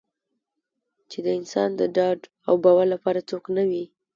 چې د انسان د ډاډ او باور لپاره څوک نه وي.